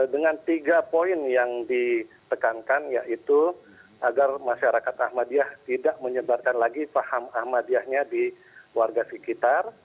dengan tiga poin yang ditekankan yaitu agar masyarakat ahmadiyah tidak menyebarkan lagi paham ahmadiyahnya di warga sekitar